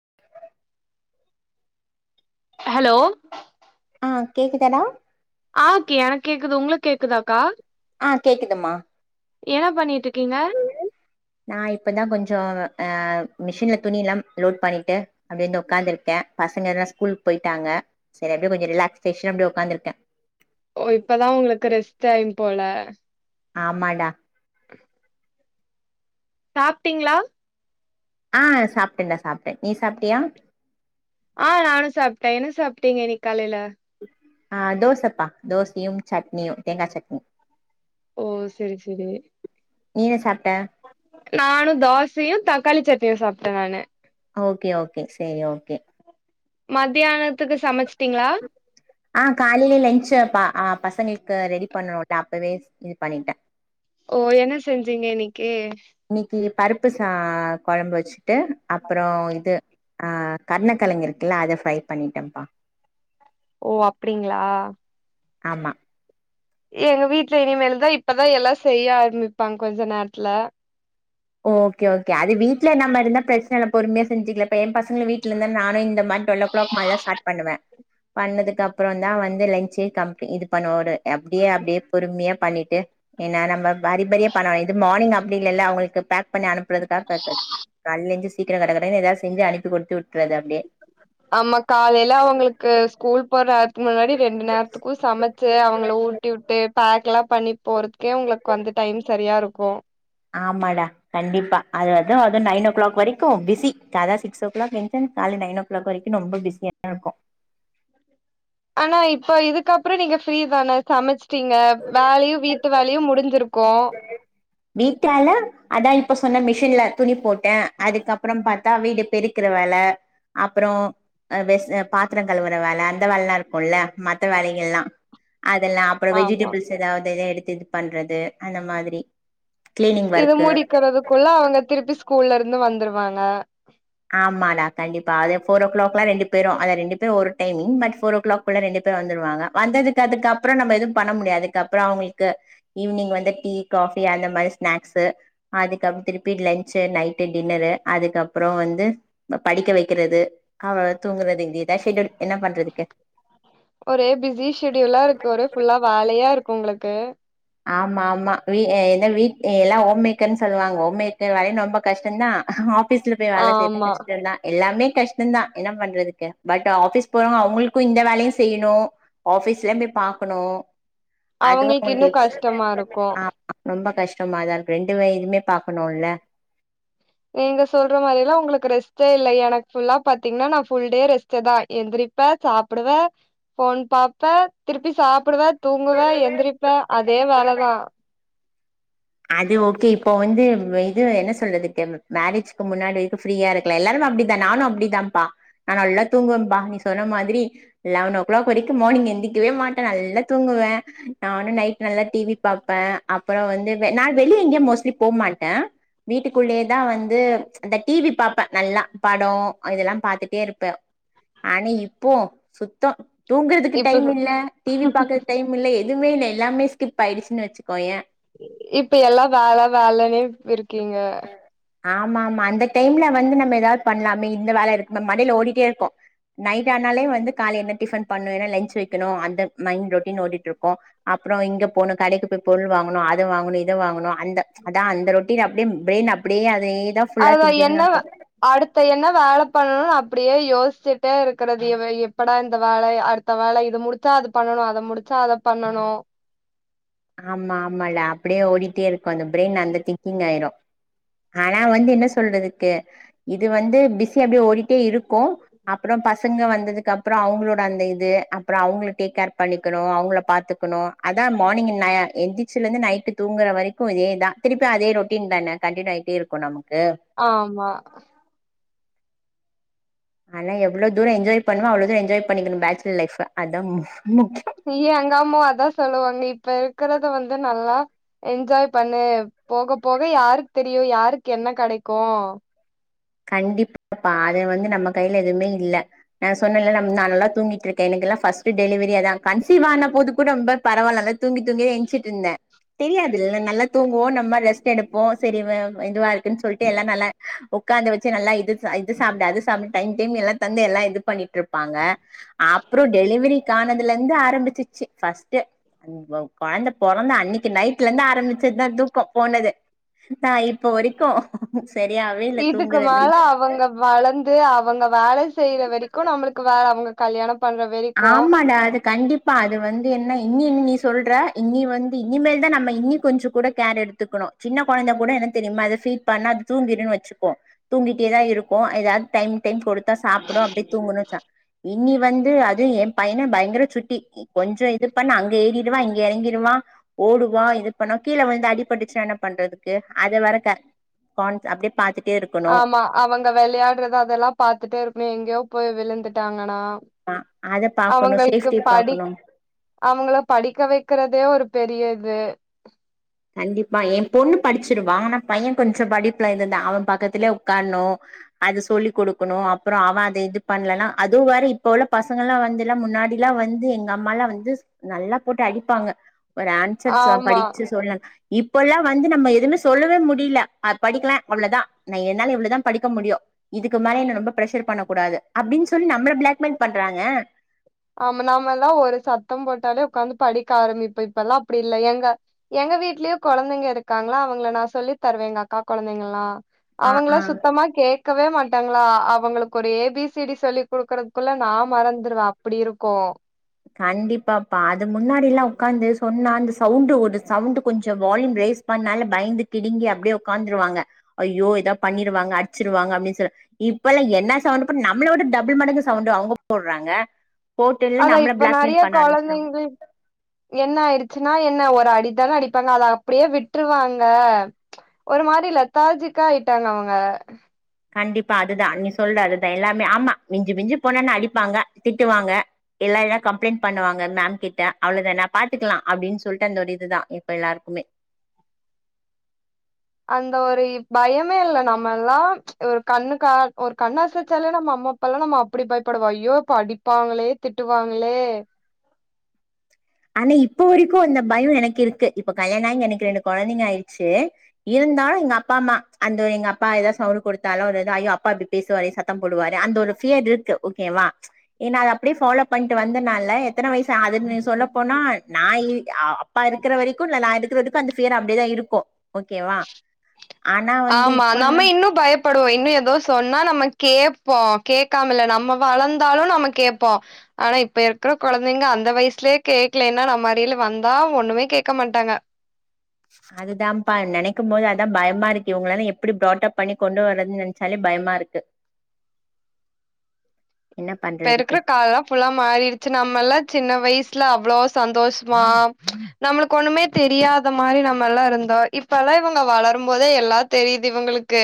[inaudible] hello ம் கேக்குதாடா ஆ K எனக்கு கேக்குது உங்களுக்கு கேக்குதாக்கா ஆ கேக்குதுமா என்னா பண்ணிட்டு இருக்கீங்க நா இப்பதா கொஞ்சோ அ மிஷின்ல துணிலா லோட் பண்ணிட்டு அப்படியே வந்து உக்காந்துருக்கே பசங்கல்லா ஸ்கூலுக போயிட்டாங்க சரி அப்படியே கொஞ்சோ ரிலாக்ஷ்சேஷன் அப்பிடியே உக்காந்துருக்கே ஓ இப்பதா உங்களுக்கு ரெஸ்ட் டைம் போல ஆமாடா [inaudible] சாப்ட்டீங்களா ஆ சாப்பிட்டேன்டா சாப்பிட்டே நீ சாப்பிட்டியா ஆ நானு சாப்பிட்டே என்ன சாப்பிட்டீங்க இன்னைக்கு காலையில [inaudible] ஆ தோசைப்பா தோசையு சட்னியு தேங்கா சட்னி ஓ செரி செரி நீங்க சாப் நானு தோசையு தக்காளி சட்னியு சாப்பிட்டே நானு ஓகே ஓகே செரி ஓகே மதியானத் ஆ காலைலே லஞ்சாப்பா ஆ பசங்களுக்கு ரெடி பண்ணுவோம்ல அப்பவே சேர்த்து இது பண்ணிட்டே ஓ என்ன செஞ்சீங்க இன்னைக்கி இன்னைக்கு பருப்பு சா‌ கொழம்பு வச்சு ட்டு அப்புறோ இது ஆ கருணக்கிழங்கு இருக்குல்ல அத ஃப்ரை பண்ணிட்டேன்ப்பா ஓ அப்டிங்களா ஆமா எங்க வீட்டுல இனிமேல்தா இப்பதா எல்லா செய்ய ஆரம்மிப்பாங்க கொஞ்ச நேரத்துல ஓகே ஓகே அது வீட்டுல நம்ம இருந்தா பிரச்சனை இல்ல பொறுமையா செஞ்சுக்கலா இப்ப என் பசங்கலு வீட்டுல இருந்த நானு இந்த மாரி டூவல்லோஓகிளாக் மேலதா ஸ்டார்ட் பண்ணுவே பண்ணதுக்கு அப்புற தா வந்து லன்சே கம்பிளி இது பண்ணுவே ஒரு அப்டியே அப்டியே பொறுமையா பண்ணிட்டு ஏன்னா நம்ம பாதி பாதியா பண்ணணு இது மார்னிங் அப்டி இல்லைல்ல அவங்களுக்கு பேக் பண்ணி அனுப்புறதுக்காக பண்ணிட்டு சீக்கிரம் கட கடனு எதையாவது செஞ்சு அனுப் [unintelligible] ஆமா காலைல அவங்களுக்கு ஸ்கூல் போற முன்னாடி ரெண்டு நேரத்துக்கு சமைச்சு அவங்கள ஊட்டி விட்டு பேக் எல்லா பண்ணி போறதுக்கே உங்களுக்கு வந்து டைம் சரியா இருக்கு ஆமாடா கண்டிப்பா அது அதுவு நயன் ஓ கிளாக் வரைக்கு பிஸி காலைல சிக்ஸ் ஓ கிளாக் எந்திருச்சு காலைல நயன் ஓ கிளாக் வரைக்கு ரொம்ப பிஸியா தா இருக்கு ஆனா இப்ப இதுக்கப்புறோ நீங்க ஃப்ரீ தானே சமைச்சிட்டீங்க வேலையு வீட்டு வேலையு முடிஞ்சிருக் கோ வீட்டால அதா இப்ப சொன்ன மிஷின்ல துணி போட்டே அதுக்கப்புறம் பார்த்தா வீடு பெருக்கற வேல அப்புறோ ஆ பாத்திரோ கழுவுற வேல அந்த வேலைலா இருக்கும்ல மத்த வேலைகள்லா அதெல்லா அப்புறோ ஆமா வெஜிடபிள்ஸ் ஏதாவதுருந் எடுத்து இது பண்றது அந்த மாதிரி கிளீனிங் இது ஒர்க்கு மூடிக்கிறதுக்குள்ள அவங்க திருப்பி ஸ் ஸ்கூல்ல இருந்து வந்துருவாங்க ஆமாடா கண்டிப்பா அது ஃபோரோக்கிளாக்ல்லா ரெண்டு பேரு அத ரெண்டு பேரு வொரு டைமிங் பட் ஃபொரோர் ஓ கிளாக்ள்ள ரெண்டு பேரு வந்துருவாங்க வந்ததுக்கு அதுக்கப்புற நம்ம எதுவு பண்ண முடியாது அதுக்கப்புறோ அவங்களுக்கு ஈவினிங் வந்து டீ காஃபி அந்த மாதிரி ஸ்நாக்ஸு அதுக்கப்புறோ திருப்பி லன்ச்சு நைட்டு டின்னரு அதுக்கப்புறோ வந்து து படிக்க வைக்கிறது அவ தூங்கறது இதே ஏதாச் செஞ்சடி ஒரே பிஸி ஷெடியூல்லா இருக்கு ஒரே ஃபுல்லா வேழயா இருக்கு உங்களுக்கு ட்டு ஆமா ஆமா வீ என்ன வீ ஏ எல்லா ஹோம் மேக்கர்னு சொ சொல்லுவாங்க ஹோம் மேக்கர் வேலயும் ரொம்ப கஷ்டம் தா ஆபீஸ்ல போயி வேல செய்றது ஆமா கஷ்டதா எல்லாமே கஷ்டம்தா என்ன பண்றதுக்கு பட் ஆபீஸ் போறவங்க அவுங்களுக்கும் இந்த வேலையும் செய்யிணு ஆபீஸ்ல போய் பாக்கணு அதுவு அவங்களுக்கு இன்னு கஷ் எக்ஸ் கஷ்டமா இருக்கும் ஆமா ரொம்ப கஷ்டமா தா இருக்கும் ரெண்டுவே இதுமே பாக்கணும் இல்ல நீங்க சொல்ற மாதிரில்லா உங்களுக்கு ரெஸ்ட்டே இல்ல எனக்கு புல்லா பாத்திங்கனா நா புல்டே ரெஸ்ட்டுதா எந்திரிப்ப சாப்புடுவே போன் பாப்பே திருப்பி சாப்புடுவே தூங்குவ எந்திரிப்பே அதே வேலதான் அது ஓகே இப்போ வந்து இது என்ன சொல்றதுக்கு மேரேஜிக்கு முன்னாடி வரைக்கும் ஃப்ரீயா இருக்கலா எல்லாருமே அப்டிதா நானும் அப்டிதான்ப்பா நான் நல்லா தூங்குவேன்பா நீ சொன்ன மாதிரி லெவன் ஓ கிளாக் வரைக்கும் மார்னிங் எந்தி ரிக்கவே மாட்டேன் நல்லா தூங்குவே [unintelligible] நானும் நைட் நல்லா டீவி பாப்பன் அப்புறோ வந்து நா வெளியே எங்கயு மோஸ்ட்லி போமாட்டன் வீட்டுக்குள்ளே அதா வந்து அந்த டீவி பாப்பன் நல்லா படோ இதெல்லா பாத்துட்டேயிருப்பே ஆனா இப்பவும் சுத்தோ தூங்குறதுக்கு இப்ப டைம் சொ இல்ல டிவி பாக்கறது டைம் இல்ல எ எதுமே இல்ல எல்லாமே ஸ்கிப்பாயிடுச்சினு வச்சிகோயே இப்ப எல்லா வேல வேலனே இருக்கீங்க ஆமா ஆமா அந்த டைம்ல வந்து நம்ம எதாவது பண்ணலாமே இந்த வேல இருக்கு மண்டைல ஓடிட்டே இருக்கும் நைட் ஆனாலே வந்து கால என்ன டிஃபன் பண்ணனு என்ன லஞ்ச் வைக்கணு அந்த மைண்ட் ரொட்டின் ஓடிட்டு இருக்கோ அப்புறோ இங்க போனு கடைக்கு போய் பொருள் வாங்கணு அது வாங்கணு இது இது வாங்கணு அந்த அதா அந்த ரொட்டின் அப்டே பிரெயினு அப்டேயே அதேதா ஃபுல்லா அதுதா திங்கிங்கா என்ன வே இருக்கும் யோசிச்சிட்டே இருக்கறது இவ எப்படா இந்த வேலை அடுத்த வேலை இது முடிச்சா அது பண்ணணு அத முடிச்சா அத பண்ணணு ஆமா ஆமா இல்ல அப்டே ஓடிட்டே இருக்கோ அந்த பிரெயின் அந்த திங்கிங் ஆயிரும் ஆனா வந்து என்ன சொல்றதுக்கு இது வந்து பிஸி அப்டே ஓடிட்டே இருக்கும் அப்புறோ பசங்க வந்ததுக்கு அப்புறோ அவங்களோட அந்த இது அப்புறோ அவுங்கள டேக் கேர் பண்ணிக்கனு அவுங்கள பாத்துக்கணும் அதா மார்னிங் நா எ எந்திச்சில இருந்து நைட்டு தூங்கற வரைக்கும் இதேதா திருப்பி அதே ரொட்டீன்தான கண்டினியூ ஆயிட்டேயிருக்கோ நமக் ஆமா ஆனா எவ்ளோ தூரம் என்ஜாய் பண்ணுமோ அவ்ளோ தூரம் என்ஜாய் பண்ணிக்கணும் பேச்சலர் லைஃப அதான் ஐயே எங்க அம்மாவும் அதான் சொல்லுவாங்க இப்ப இருக்கிறத வந்து நல்லா என்ஜாய் பண்ணு போக போக யாருக்கு தெரியும் யாருக்கு என்ன கடைக்கும் கண்டிப்பாப்பா அது வந்து நம்ம கையில எதுமே இல்லை நான் சொன்னேல்ல நம் நான் நல்லா தூங்கிட்டு இருக்கேன் எனக்குெல்லாம் ஃபஸ்ட்டு டெலிவரியே அதா கன்சிவ் ஆன போது கூட ரொம்ப பரவாயில்ல நல்லா தூங்கி தூங்கியே எஞ்ச்சிட்டு இருந்தேன் தெரியாது இல்ல நல்லா தூங்குவோம் நம்ம ரெஸ்ட்டு எடுப்போம் சரி வ இதுவா இருக்குன்னு சொல்ட்டு எல்லாம் நல்லா ஒக் ஒக்காந்த வச்சு நல்லா இது இது சாப்டு அது சாப்டு டைம் டைம் எல்லா தந்து எல்லா இது பண்ணிட்ருப்பாங்க அப்றோ டெலிவரி காணதுலந்து ஆரம்பிச்சிச்சு ஃபர்ஸ்ட்டு கொழந்த பொறந்த அன்னக்கி நைட்லந்து ஆரம்பிச்சதா தூக்கொ போனது தா இப்ப வரைக்கு சரியாவே இல்ல க்கு தூங்குறதுன்னு மேல அவங்க வளந்து அவங்க வே ஆலல் செய்ற வரைக்கு நம்ளுக்கு வே அவுங்க கல்யாணம் பண்ற வரைக்கு ஆமாடா அது கண்டிப்பா அது வந்து என்ன இ னி இன்னி சொல்ற இனி வந்து இனிமேல் தா நம்ம இன்னி கொஞ்ச கூட கேர் எடுத்துக்கணு சின்ன கொழந்த கூட என்ன தெரியிமா அத ஃபீட் பண்ணா அது தூங்கிருன் வச்சுக்கோ தூங்கிட்டேதா இருக்கு எதாது டைம் டைம் குடுத்தா சாப்புட அப்டியெ தூங்கணுச்ச இ னி வந்து அ து‌ எ பையன பயங்கர சுட்டி கொஞ்சொ இது பண்ணா அங்க ஏறிடுவா இங்க எறங்கிடுவா ஓடுவா இது பண்ணா கீழ விழுந்து அடிபட்டுச்சுனா என்ன பண்றதுக்கு அத வர க கான் அப்டே ஆமா அவங்க வெளையாட்றது அதெல்லா பாத்துட்டே இருக்கணு எங்யோ போய் விழுந்துட்டாங்கனா அத பாக்கணு அவுங்கள்க்கு சேஃப்டி படி பாக்கணு அவுங்கள படிக்க வைக்கிறதே ஒரு பெரிய இது [inaudible] கண்டிப்பா எ பொண்ணு படிச்சிருவா ஆனா பைய கொஞ்ச படிப்புல இது தா அவ பக்கத்துலே உக்கார்ணு அத சொல்லிக் குடுக்கணு அப்பற அவ அத இது பண்லன்னா அது வேற இப்ப உள்ள பசங்கல்லா வந்துல்ல முன்னாடில்லா வந்து எங்க அம்மால்லா வந்து நல்லா போட்டு அடிப்பாங்க ஒரு ஆன்சர்ஸ ஆமா படிச்சு சொல்ல இப்பல்லா வந்து நம்ம எதுவ்மே சொல்லவே முடில ஆ படிக்கல அவ்ளதா என்னால இவ்ளதா படிக்க முடியு இதுக்கு மேல என்ன ரொம்ப பிரஷர் பண்ண கூடாது அப்டின் சொல்லி நம்ள பிளாக்மெயில் பண்றாங்க ஆமா நாமல்லா ஒரு சத்தம் போட்டாலே உக்காந்து படிக்க ஆரம்பிப்போ இப்பெல்லா அப்டி இல்ல எங்க எங்க வீட்லயே கொழந்தைங்க இருக்காங்ளா அவுங்கள நா சொல்லி தருவே எங்க அக்கா கொழந்தைங்கல்லா ஆ அவுங்களா ஆ சுத்தமா கேக்கவே மாட் டாங்ளா அவுங்களுக்கு ஒரு ஏ பி சி டி சொல்லி் குடுக்குறதுக்குள்ள நா மறந்துருவ அ ப்புடி இருக்கு கண்டிப்பாப்பா அது முன்னாடில்லா உக்காந்து சொன்னா அந்த சவுண்டு ஒரு சவுண்டு் கொஞ்சொ வால்யூம் ரேஸ் பண்ணால பயந்து கிடுங்கி அப்டியே ஒக்காந்துருவாங்க ஐயோ எதா பண்ணிருவாங்க அடுச்சிருவாங்க அப்டி சொல்ல இப்பல்லா என்னா சவுண்டு போட் நம்ள விட டபுள் மடங்கு சவுண்டு அவுங்க போட்றாங்க போட்டு நம்ள பொ நெறைய கொழந்தைங்ளுக் என்ன ஆயிடுச்சு னா என்ன ஒரு அடிதான அடிப்பாங்க அத அப்டியே விட்ருவாங்க ஒரு மாரி லத்தாஜிக்கா ஆயிட்டாங்க அவுங்க கண்டிப்பா அதுதா நீங்க சொல்ற அதுதா எல்லாமே ஆமா மிஞ்சு மிஞ்சு போனான்னெ அடிப்பாங்க திட்டுவாங்க எல்லா ‌என்ன கம்ப்ளைண்ட் பண்ணுவாங்க மேம் கிட்ட அவ்ளதான பாத்துக்கலா அப்டின் சொல்ட்டு அந்த ஒரு இதுதா இப்ப எல்லாருக்குமே அந்த ஒரு பயமே இல்ல நம்மல்லா ஒரு கண்ணு கா ஒரு கண்ண அசச்சாலே நம்ம அம்மாப்பால்லா நம்ம அப்டி பயப்படுவோ ஐயோ இப்ப அடிப்பாங்களே திட்டுவாங்களே ஆனா இப்ப வரைக்கு அந்த பயம் எனக்கு இருக்கு இப்ப கல்யாணோ ஆகி எனக்கு ரெண்டு குழந்தைங்க ஆயிடுச்சு இருந்தாலு எங்க அப்பா அம்மா அந்த ஒரு எங்க அப் பா ஏதாவது சவுண்ட் கொடுத்தாலு ஒரு தா அயோ அப்பா இப்டி பேசுவாறே சத்தம் போடுவாறே அந்த ஒரு ஃபியர் இருக்கு ஓகேவா ஏன்னா அது அப்டியே ஃபாலோ பண்ட்டு வந்தனால எத்தன வயசு ஆது நீ சொல்ல நா இ அப்பா இருக்குற வரைக்கு நல்ல நா எடுக்கதுக்கு அந்த ஃபியர் அப்படியேதா இருக்கு ஓகேவா ஆனா வந்து ஆமா இப்பல்லா நம்ம இன்னு பய ப்படுவோ இன்னு ஏதோ சொன்னா நம்ம கேட்போ கேட்காமல்ல நம்ம வளர்ந்தாலு நம்ம கேட்போ ஆனா இப்ப இருக்கிற குழந்தைங்க அந்த வயசுலயே கேக்கலன்னா நம்மறில வந்தா ஒண்ணுமே கேட்க மாட்டாங்க அதுதான்ப்பா நினைக்கு போது அதா பயமா இருக்கு இவங்களலா எப்டி ப்ராடப் பண்ணி கொண்டு வர்றதுன்னு நினைச்சாலே பயமா இருக்கு என்ன இப்ப பண்றதுக்கு இருக்கிற காலலா ஃபுல்லா மாறிடுச்சு நம்ம எல்லா சின்ன வயசு வீட்ல அவ்ளோ சந்தோஷமா நம்மளுக்கு ஒண்ணுமே தெரியாத மாதிரி நம்ம எல்லா இருந்தோ இப்பெல்லா இவங்க வளரும்போதே எல்லா தெரியுது இவங்களுக்கு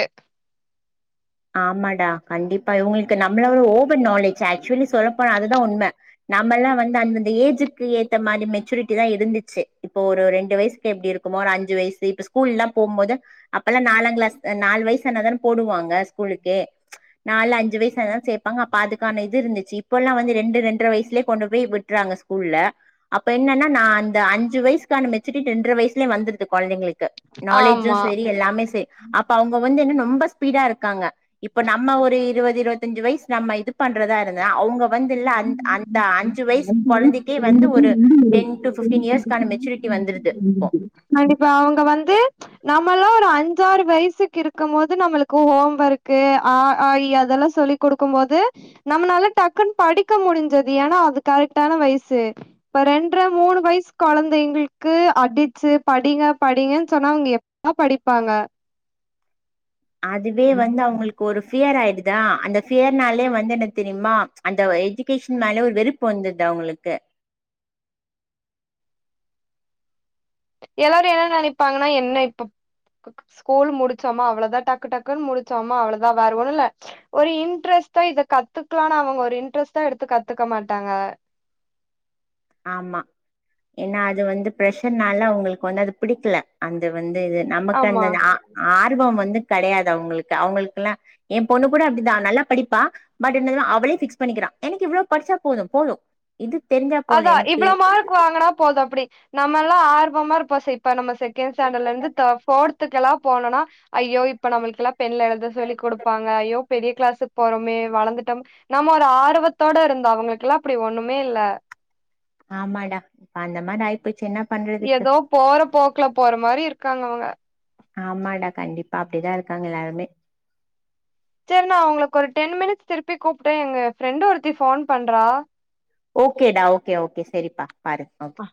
ஆமாடா கண்டிப்பா இவங்களுக்கு நம்மள ஒரு ஓவர் நாலேஜ் ஆக்சுவலி சொல்லப்போன அதுதா உண்மை நம்மல்லா வந்து அந்தந்த ஏஜுக்கு ஏத்த மாதிரி மெச்சூரிட்டி தா இருந்துச்சு இப்போ ஒரு ரெண்டு வயசுக்கு எப்டி இருக்குமோ ஒரு அஞ்சு வயசு இப்ப ஸ்கூல் எல்லா போகும் போது அப்பெல்லா நாலாம் கிளாஸ் நாலு வயசுனாதானே போடுவாங்க ஸ்கூலுக்கு நாலு அஞ்சு வயசுானா சேப்பாங்க அப்ப அதுக்கான இது இருந்துச்சு இப்ப எல்லா வந்து ரெண்டு ரெண்ட்ர வயசுலயே கொண்டு போய் விட்டுறாங்க ஸ்கூல்ல அப்ப என்னன்னா நா அந்த அஞ்சு வயசுக்கான மெச்சுரிட் ரெண்ட்ர வயசுலயே வந்தருது குழந்தைங்களுக்கு ரு நாலேஜு ஆமா சரி எல்லாமே சரி அப்ப அவங்க வந்து என்ன ரொம்ப ஸ்பீடா இருக்கு இப்ப நம்ம ஒரு இருபது இருபத்தஞ்சு வயசு நம்ம இது பண்றதா இருந்தா அவுங் வந்து அந்த அந்த அஞ்சு வயசு கொழந்தைக்கே வந்து ஒரு டென் டூ ஃபிப்டீன் இயர்ஸ்கான மெச்சூரிட்டி வந்துருது ஒ கண்டிப்பா அவங்க வந்து நம்மல்லா ஒரு அஞ்சாறு வயசுக்கு இருக்கு போது நம்மளுக்கு ஹோம் ஒர்க்க அ ஆ இ அதெல்லா சொ ல்லி் கொடுக்கு போது நம்மளால டக்குன்னு படிக்க முடிஞ்சது ஏன்னா அது கரெக்டான வயசு இப்ப ரெண்ட்ர மூணு வயசு குழந்தைங்களுக்கு அடிச்சு படிங்க படிங்கன்னு சொன்னா அவுங்க எப்பல்லா படிப்பாங்க அதுவே வந்து அவங்களுக்கு ஒரு ஃபியர் ஆயிடுதா அந்த பியர்னாலே வந்தன தெரியுமா அந்த எஜகேஷன் மேலே ஒரு வெறுப்பு வந்துருது அவங்களுக்கு எல்லாரு என்ன நினைப்பாங்கன்னா என்ன இப்ப ஸ்கூல் முடிச்சோமா அவ்வளோதா டக்கு டக்குன்னு முடிச்சோமா அவ்வளோதா வருன்னு இல்ல ஒரு இன்ட்ரெஸ்ட் தா இத கத்துக்கலாம்னு அவங்க ஒரு இன்ட்ரெஸ்ட்டா எடுத்து கத்துக்க மாட்டாங்க ஆமா ஏன்னா அது வந்து ப்ரஷர்னால அவங்களுக்கு வந்து அது பிடிக்கல அந்த வந்து இது நமக்கு ஆமா அந்த ஆ ஆ ஃபார்ம் வந்து கெடையாது அவங்களுக்கு அவங்களுக்குல்ல என் பொண்ணு கூட அப்டிதா நல்லா படிப்பா பட் என்னன்னா அவளே ஃபிக்ஸ் பண்ணிக்கரா என்க்கி இவ்ளோ படிச்சா போது போது இது தெரி அதா இவ்வளோ மார்க் வாங்கனா போது அப்டி நம்ம எல்லா ஆர்வமா இருபோ செ இப்ப நம்ம செகண்ட் ஸாண்டர்ட்ல இருந்து தே ஃபோர்த்துெகெல்லா போனனா ஐயோ இப்ப நம்மளுக்குல்லா பெண்ல எழுத சொல்லி கொடுப்பாங்க ஐயோ பெரிய கிளாஸு போறமே வளர்ந்துட்டோ நம்ம ஒரு ஆர்வத்தோட இருந்தோ அவங்களுக்குெல்லா அப்டி ஒண்ணுமே இல்ல ஆமாடா இப்ப அந்த மாரி ஆயிப்போச் என்னப் ஏதோ போற போக் குல போற மாரி இருக்காங்க அவங்க ஆமாடா கண்டிப்பா அப்டிதா இருக்காங்க எல்லாருமே சரி நா ஒங்களுக்கு ஒரு டென் மினிட்ஸ் திருப்பி கூப்ட்டே எ ஃப்ரெண்ட் ஒருத்தி போன் பண்றா ஓகேடா ஓகே ஓகே செரிப்பா பாரு ஓகே